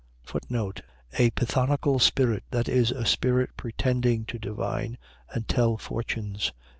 A pythonical spirit. . .That is, a spirit pretending to divine, and tell fortunes.